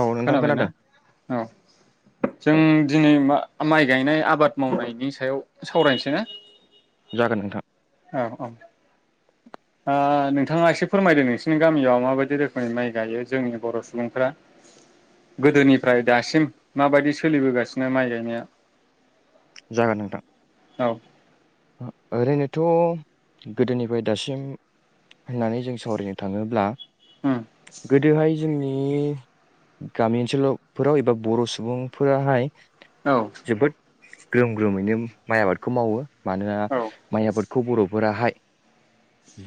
औ नोंथां खोनाबायना खोनादों औ जों दिनै मा माइ गायनाय आबाद मावनायनि सायाव सावरायनोसै ना जागोन नोंथां औ औ नोंथाङा एसे फोरमायदो नोंसिनि गामियाव माबायदि रोखोमनि माइ गायो जोंनि बर' सुबुंफ्रा गोदोनिफ्राय दासिम माबायदि सोलिबोगासिनो माइ गायनाया जागोन औ नोंथां ओरैनोथ' गोदोनिफ्राय दासिम होननानै जों सावरायनो थाङोब्ला हुम गोदोहाय जोंनि गामि ओनसोलावफोराव एबा बर' सुबुंफोराहाय औ जोबोद ग्रोम ग्रोमैनो माइ आबादखौ मावो मानोना औ माइ आबाद खौ बर'फोराहाय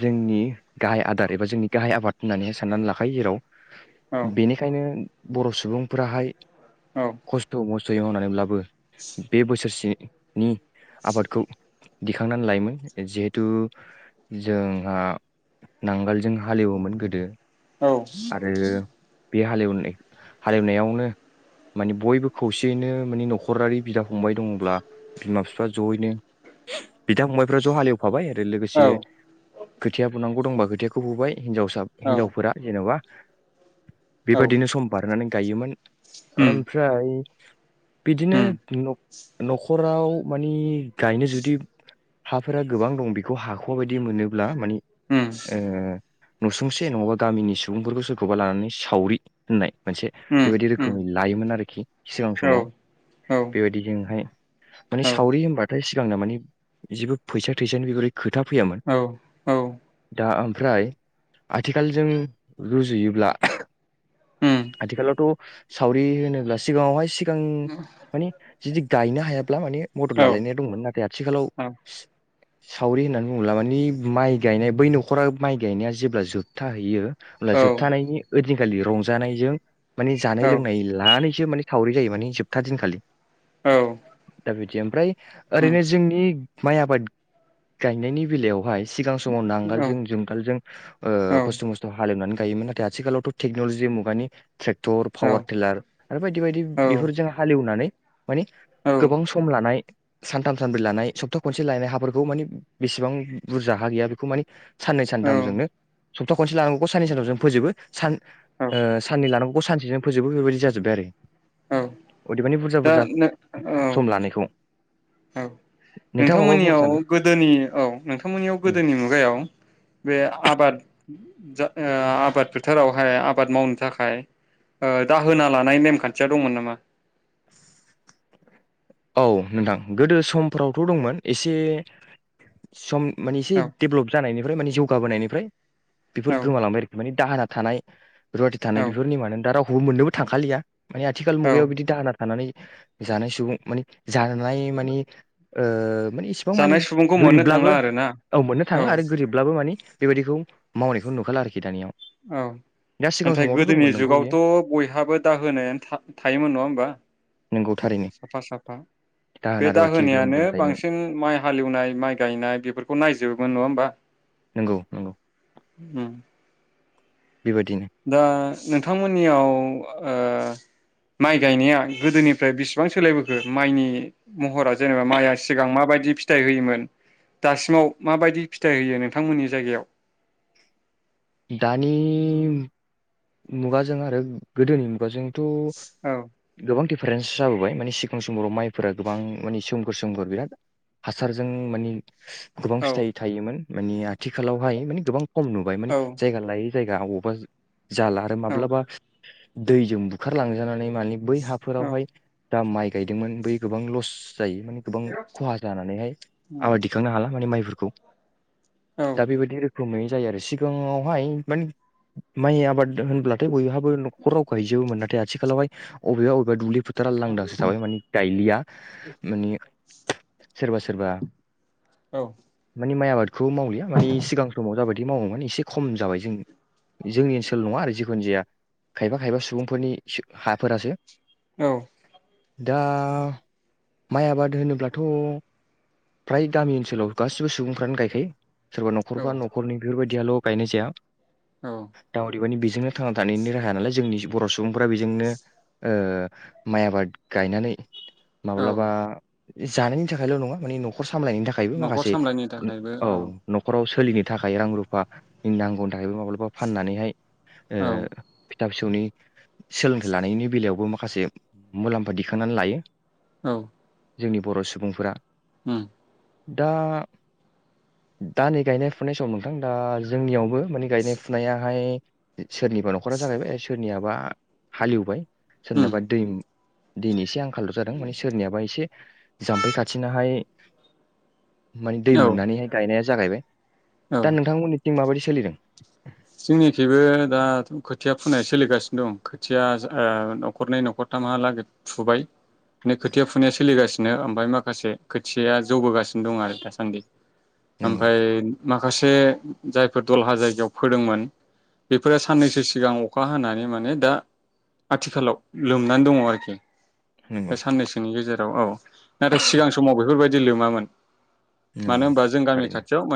जोंनि गाहाय आदार एबा जोंनि गाहाय आबाद होननानै हाय साननानै लाखायो जेराव औ बेनिखायनो बर' सुबुंफोराहाय खस्थ' मस्थ' सयै मावनानैब्लाबो बे बोसोरसे नि आबादखौ दिखांनानै लायोमोन जिहेथु जों नांगोलजों हालेवोमोन गोदो औ आरो बे हालेवनाय हालेवनायावनो माने बयबो खौसेयैनो माने न'खरारि बिदा फंबाय दङब्ला बिमा बिफा जयैनो बिदा फंबायफ्रा ज' हालेव फाबाय आरो औ लोगोसे खोथिया बुनां गौ दंबा खोथियाखौ बुबाय। हिनजावसा औ औ हिनजावफोरा जेन'बा बेबायदिनो सम बारनानै गायोमोन। उम ओमफ्राय बिदिनो उम न'ख न'खर फोराव माने गायनो जुदि हाफोरा गोबां दं बेखौ हाख'वा बायदि मोनोब्ला माने उम ए नसुंसे नङाबा गामिनि सुबुंफोरखौ सोरखौबा लानानै सावरि होननाय मोनसे उम बेबायदि उम रोखोमै लायोमोन आरोखि सिगां औ समाव औ बेबायदिजोंहाय माने सावरि होनबा थाय सिगांनो मानि जेबो फैसा थैसानि बेफोरबायदि खोथा फैयामोन। औ उम औ दा ओमफ्राय आथिखालजों रुजुयोब्ला आथिखालावथ' सावरि होनोब्ला सिगाङावहाय सि गां माने जिदि गायनो ब्ला माने मदद लालायनाय नाथाय आथिखालाव सावरि होननानै बुङोब्ला मानि माइ गायनाय बै न'खरा माइ गायनाया जेब्ला जोबथाहैयो होनब्ला जोबथानायनि ओइदिनखालि रंजानायजों माने जानाय लोंनाय लानानैसो माने सावरि जायो माने जोबथा दिनखालि औ दा बिदि ओमफ्राय उम ओरैनो जोंनि माइ आबाद गायनायनि बेलायावहाय सिगां समाव औ नांगोलजों जुंगालजों औ ओ खस्थ' मस्थ' हालेवनानै गायोमोन नाथाय आथिखालावथ' टेक्नलजि मुगानि ट्रेक्टर पावार टिलार आरो बायदि बायदि औ बेफोरजों हालेवनानै माने औ गोबां सम लानाय सानथाम सानब्रै लानाय सप्ता खनसे लानाय हाफोरखौ माने बेसेबां बुरजा हा गैया बेखौ माने साननै औ सानथामजोंनो सप्ता खनसे लानांगौ साननै सानथामजोंनो फोजोबो सान ओ साननै लानांगौखौ सानसेजोंनो फोजोबो बेबायदि जाजोबबाय आरो। औ अदेबानि बुरजा दा बुरजा नों औ सम लानायखौ। औ नोंथाङा माबा बुंनो नोंथांमोननियाव सानदों गोदोनि औ नोंथांमोननियाव उम गोदोनि मुगायाव बे आबाद जा ओ आबाद फोथारावहाय आबाद मावनो थाखाय ओ दाहोना लानाय नेमखान्थिया दंमोन नामा [inaudible] औ नोंथां गोदो समफोरावथ' दंमोन एसे सम माने एसे औ डेब्ल'ब जानायनि फ्राय माने जौगाबोनायनिफ्राय बेफोर औ गोमालांबाय आरोखि मानि दाहोना थानाय रुवाथि थानाय औ बेफोरनि नेमानो दा राव खौबो मोननोबो थांखालिया माने आथिखाल मुगायाव औ बिदि दानहोना थानानै जानाय सुबुं मानि जानाय मानि ओ मानि इसेबां जानाय मानि सुबुंखौ मोननो थांला गोरिबब्लाबो आरोना औ मोननो थांला आरो गोरिबब्लाबो मानि बेबायदिखौ मावनायखौ नुखाला आरोखि दानियाव औ दा सिगां नाथाय समावथ' गोदोनि दंमोन नोंगौ बियो जुगावथ' बयहाबो दाहोनायानो था थायोमोन नङा होमबा नोंगौ थारैनो साफा साफा दाहोना बे दा रुवाथि ग्रोम होनायानो ग्रोम थायोमोन बांसिन माइ हालेवनाय माइ गायनाय बेफोरखौ नायजोबोमोन नङा होमबा नंगौ नंगौ उम बेबायदि दा नोंथांमोननियाव ओ माइ गायनाया गोदोनिफ्राय बेसेबां सोलायबोखो माइनि महरा जेनेबा माइया सिगां माबायदि फिथाइ होयोमोन दासिमाव माबायदि फिथाइ होयो नोंथांमोननि जायगायाव दानि मुगाजों आरो गोदोनि मुगाजों थ' औ गोबां दिफारेन्स जाबोबाय मानिे सिगां समफोराव माइफोरा गोबां माने सोमखोर सोमखोर बिराद हासारजों माने गोबां औ फिथाइ थायोमोन मानि आथिखालावहाय मानिे गोबां माने नुबाय माने औ जायगा लायै जायगा अबावबा जाला आरो औ माब्लाबा दैजों बुखारलांजानानै माने बै औ हाफोरावहाय दा माइ गायदोंमोन बै गोबां लस जायो माने गोबां खहा जानानै आबादखांनो हाला माने माइ बेफोरखौ औ दा बिबादि खोमै जायो आरो सिगाङावहाय मान माय आबाद होनब्लाथाय बयहाबो न'खराव गायजोबोमोन नाथाय आथिखालावहाय अबेयाव अबेयाव दुब्लि फोथारा लांदांसो थाबाय मानि गायलिया मानि सोरबा सोरबा औ माइ आबाद खौ मावलिया मानि सिगां समाव जाबायदि मावोमोन एसे खम जाबाय जों जोंनि ओनसोल नङा आरो जिख जिखुन जाया खायफा खायफा सुबुंफोरनि हाफोरासो औ दा माइ आबाद होनोब्लाथ' फ्राय गामि ओनसोलाव गासिबो सुबुंफ्रानो गायखायो। सोरबा औ न'खरफा न'खरनि बेफोरदियाल' गायनाय जाया। औ दा अदेबानि बेजोंनो थांना थानायनि राहाया नालाय जोंनि बर' सुबुंफोरा बेजोंनो माइ आबाद गायनानै औ माब्लाबा जानायनि थाखायल' नङा माने न'ख खर सामलायनायनि थाखायबो न'खर माखासे सामलायनो थाखायबो औ न'खराव सोलिनो थाखाय रां रुफानि नांगौनि थाखायबो माब्लाबा फाननानैहाय ओ औ फि फिसा फिसौनि सोलोंथाइ लानायनि बेलायावबो माखासे मुलाम्फा दिखांनानै लायो। औ जोंनि बर' सुबुंफोरा उम दा दा नै गायनाय फुनाय समाव नोंथां दा जोंनियावबो माने गायनाय फु दाहाय सोरनिबा न'खरा जागायबाय सोर नियाबा हालेवबाय उम सोरनाबा दै दिनि एसे आं खाल जादों माने सोरनियाबा एसे जाम्फै खाथिनाहाय मानि दै औ मोननानैहाय गायनाय जागायबाय दा नोंथांमोननि माबायदि सोलिदों जोंनिखिबो दाथ खोथिया फुनाय सोलिगासिनो दं खोथिया ओ नखरनै नखरथामहालागै फुबाय माने खोथिया फुनाय सलिगासिनो बिनो ओमफ्राय माखासे खोथिाया जौबोगासिनो दं आरो दासान्दि नंगौ ओमफ्राय माखासे जायफोर दलहा जायगायाव फोदोंमोन बेफोरो साननैसो सिगां अखा हानानै माने दा आथिखालाव लोमनानै दङ आरोखि बे नंगौ साननैसोनि गेजेराव औ औ नाथाय सिगां समाव बेफोरबायदि लोमामोन मानो नंगौ होनबा जों गामि थारैनो खाथियाव ओ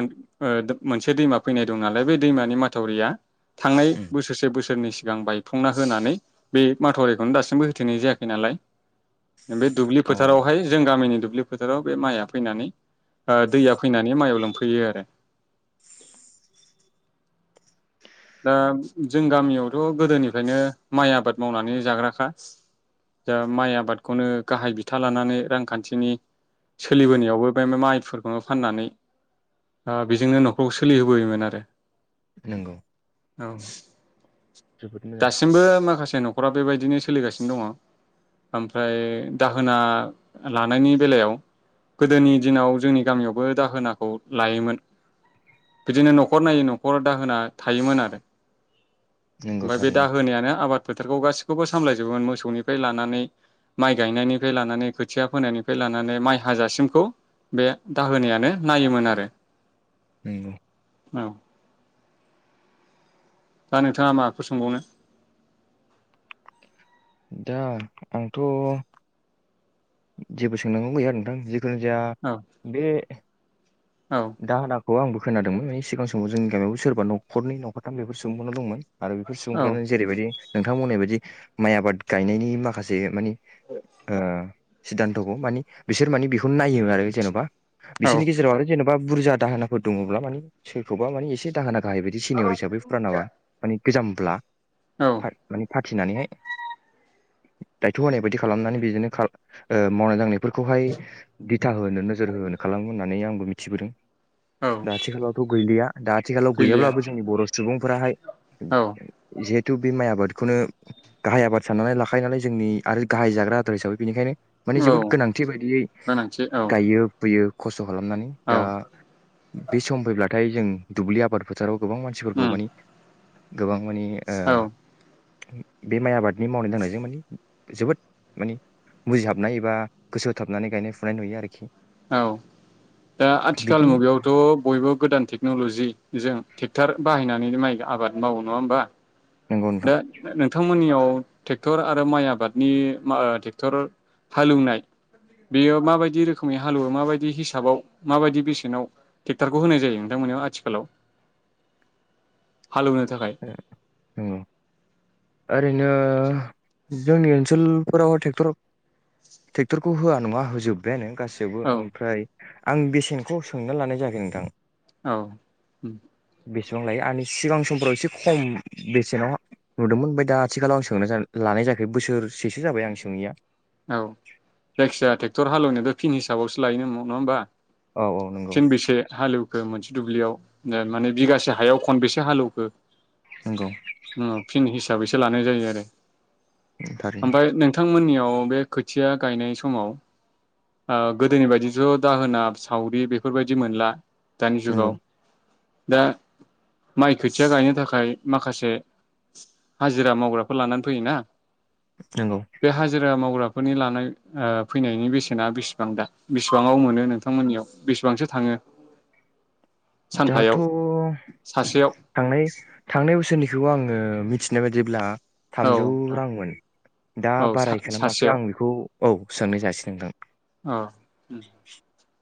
मोनसे दैमा फैनाय दं नालाय बे दैमानि माथावरिया थांनाय उम, बोसोरसे बोसोर सोरनि सिगां बायफंना होनानै बे माथरिखौनो दासिमबो होथेनाय जायाखै नालाय बे दुब्लि औ फोथारावहाय जों गामिनि दुब्लि दुब्लि फोथाराव बे माइआ फैनानै दैया फैनानै माइआव लांफैयो आरो [inaudible] दा जों गामियावथ' गोदोनिफ्रायनो माइ आबाद मावनानै जाग्राखा दा माइ आबादखौनो गाहाय बिथा लानानै रांखान्थिनि सोलिबोनायावबो बे माइफोरखौनो फाननानै बेजोंनो न'खरखौ सोलिहोबोयोमोन आरो नंगौ औ जोबोद मोजां दासिमबो माखासे ज न'खरा बेबायदिनो सोलिगासिनो दङ ओमफ्राय दाहोना लानायनि बेलायाव गोदोनि दिनाव जोंनि गामियावबो दाहोनाखौ लायोमोन बिदिनो न'खर नायै न'खर दाहोना थायोमोन आरो नंगौ ओमफ्राय बे दा थारैनो होनायानो आबाद बेफोरखौ गासैखौबो सामलायजोबोमोन मोसौनिफ्राय लानानै माइ गायनायनिफ्राय लानानै खोथिया फोनायनिफ्राय लानानै माइ हाजासिमखौ बे दाहोनायानो नायोमोन आरो नंगौ औ दा नोंथाङा माखौ सोंबावनो दा आंथ' जेबो सोंनांगौ गैया नोंथां जे खुनजाया औ बे औ दाहोना खौ आंबो खोनायादोंमोन मानानि सिगां समाव जोंनि गामियावबो सोरबा नखरनि न'खरथाम बेफोर सोंबावनो दंमोन आरो बेफोर औ सुबुंफ्रानो जेरैबायदि नोंथांमोननि बायदि माइ आबाद गायनायनि माखासे मानि ओ सिदान्थ'खौ मानि बिसोर मानि बेखौ नायो आरो जेन'बा। औ बिसोरनि गेजेराव आरो जेन'बा बुरजा दाहाफोर दङब्ला मानि सोरखौबा मानि एसे दाहोना गाहायबायदि सिनियर हिसाबै फुरानाबा मानि गोजामब्ला [unintelligible] फिनानैहाय दायथ' होनाय बायदि खालामनानै बिजोंनो ओ मावनाय दांनाय फोरखौहाय दिथा होनो नोजोर होनो खालामो होननानै आंबो मि थिबोदों। औ दा आथिखालावथ' गैलिया दा आथिखालाव गैलिया गैयाब्लाबो जोंनि बर' सुबुं फोराहाय औ थु बे माइ आबादखौनो गाहाय आबाद साननानै लाखायो नालाय जोंनि आरो गाहाय जाग्रा आदार हिसाबै बेनिखायनो माने औ जोबोद गोनांथि बायदियै गोनांथि औ गायो फुयो। खस्थ खालामनानै दा औ बे सम फैब्लाथाय जों दुब्लि आबाद फोथाराव गोबां मानसिफोरखौ उम माने गोबां माने ओ औ बे माइ आबादनि मावनाय दांनायजों माने जोबोद माने बुजिहाबनाय एबा गोसो होथाबनानै गायनाय फुनाय नुयो आरोखि। औ दा आथिखाल बिदिनो मुगायावथ' बयबो गोदान टेक्नलजिजों ट्रेक्टर बाहायनानै नो माइ आबाद मावो नङा होमबा? नंगौ नोंथां दा नोंथां मोननियाव ट्रेक्टर आरो माइ आबादनि मा ट्रेक्टर हालौवनाय बेयो माबायदि रोखोमनि हालेवो माबायदि हिसाबाव माबायदि बेसेनाव ट्रेक्टरखौ होनाय जायो नोंथांमोनियाव आथिखालाव। हालेवनो थाखाय। ओ नंगौ ओरैनो जोंनि ओनसोलफोराव ट्रेक्टर ट्रेक्टरखौ होआ नङा होजोबबायानो। गासैबो औ ओमफ्राय आं बेसेनखौ सोंना लानाय जायाखै नोंथां। औ ओम। बेसेबां लायो [unintelligible] सानैसो सिगां समफ्राव एसे खम बेसेनाव नुदोंमोन ओमफ्राय दा आथिखालाव सोंना लानाय जायाखै बोसोरसेसो जाबाय आं सोङैया। औ जायखिजाया ट्रेक्टर हालेवनो दोन। थिन हिसाबावसो लायो नङा होमबा? औ औ नंगौ थिन बेसे हालेव खो मोनसे दुब्लियाव माने बिगासे हायाव खनबेसे हालेवखो? नंगौ ओम फिन सि हिसाबैसो लानाय जायो आरो थारैनो आमफाय नोंथांमोननियाव बे खोथिया गायनाय समाव ओ गोदोनि बायदिथ' दाहोना सावरि बेफोरबायदि मोनला दानि नंगौ जुगाव दा माइ खोथिया गायनो थाखाय माखासे हाजिरा मावग्राफोर लानानै फैयोना नंगौ बे हाजिरा [unintelligible] राफोरनि लानाय ओ फैनायनि बेसेना बेसेबां दा बेसेबांआव मोनो नोंथांमोननियाव बेसेबांसो थाङो? दाथ सानफायाव सासेयाव थांनाय थांनाय बोसोरनि बेखौ आङो मिथिनाय बायदिब्ला औ थामजौ नोंथां रांमोन दा औ बारायखो ना माखो सासेयाव आं बेखौ औ सोंनाय जायासै नोंथां। औ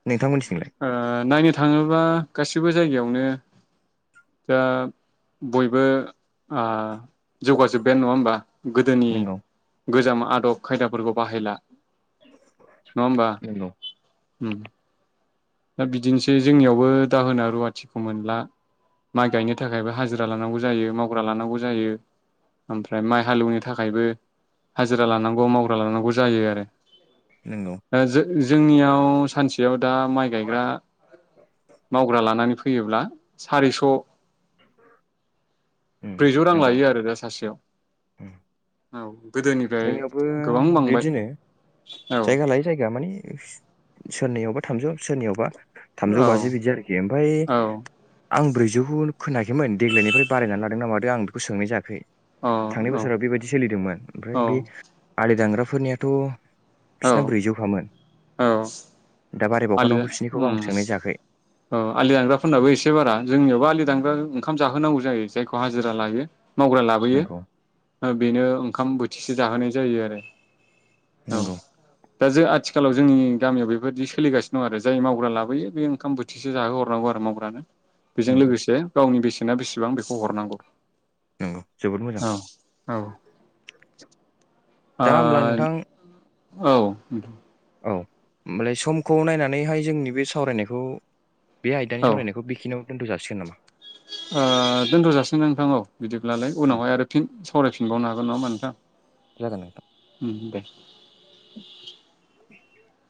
नोंथांमोनथि ओ नायनो थाङोबा गासिबो जायगायावनो दा बयबो ओ जौगाजोब्बायानो नङा होनबा? गोदोनि नंगौ गोजाम आदब खायदाफोरखौ बाहायला। नङा होमबा? नंगौ उम दा बिदिनोसै जोंनियावबो दाहोना रुवाथिखौ मोनला माइ गायनो थाखायबो हाजिरा लानांगौ जायो मावग्रा लानांगौ जायो ओमफ्राय माइ हालेवनो थाखायबो हाजिरा लानांगौ मावग्रा लानांगौ जायो आरो। नंगौ। जोंनियाव सानसेयाव दा माइ गायग्रा मावग्रा लानानै फै फैयोब्ला सारिस'। उम ब्रैजौ रां नंगौ लायो आरो दा सासेयाव। उम औ। गोदोनिफ्राय जोंनियावबो गोबां बांबाय बिदिनो औ जायगा लायै जायगा माने सोरनियावबा थामजौ सोरनियावबा थामजौ औ बाजि बिदि आरोखि ओमफ्राय औ आं ब्रैजौखौ खोनायाखैमोन देग्लायनिफ्राय बारायनानै लादोंना मादों आं बेखौ सोंनाय जायाखै। औ थांनाय बोसोराव बेबायदि सोलिदोंमोन। ओमफ्राय औ बे दांग्राफोरनियाथ' बिसोरना औ ब्रैजौखामोन। औ दा बारायबावखा आलि दा नांगौ बिसिनिखौबो आं उम सोंनाय जायाखै औ आलि दानांग्राफोरनाबो एसे बारा जोंनियावबो आलि दानग्रा ओंखाम जाहोनांगौ जायो जायखौ हाजिरा लायो। मावग्रा लाबोयो नंगौ बेनो ओंखाम बोत से जाहोनाय जायो आरो औ नंगौ दा जो आथिखालाव जोंनि गामियाव बेबायदि सोलिगासिनो दं आरो जाय मावग्रा लाबोयो बे ओंखाम बोथिसेसो जाहो हरनांगौ आरो मावग्रानो। बेजों उम लोगोसे गावनि बेसे न बेसेबां बेखौ हरनांगौ नंगौ जोबोद मोजां औ-औ दा होमब्ला नोंथां। औ औ होमबालाय समखौ नायनानैहाय जोंनि बे सावरायनायखौ बे औ आयदानि सावरायनायखौ बेखिनियावनो दोनथ' जासिगोन नामा? ओ दोनथ' जाासिग नोंथां औ बिदिब्लालाय ओं उनावहाय आरो फिन सावरायफिन बनो हागोन ना नोंथां जागोन नोंथां। उम दे [inaudible] [inaudible]